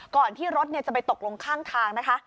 ก่อนที่รถจะไปตกลงข้าง